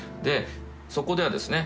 そこではですね